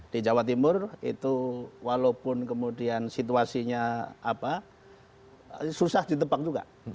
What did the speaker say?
di jawa timur itu walaupun kemudian situasinya susah ditebak juga